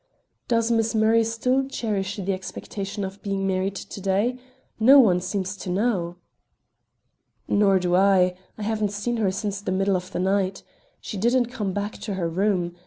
"Does Miss Murray still cherish the expectation of being married to day? No one seems to know." "Nor do I. I haven't seen her since the middle of the night. She didn't come back to her room.